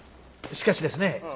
しかしですね